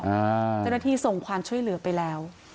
เจ้าหน้าที่ส่งความช่วยเหลือไปแล้ว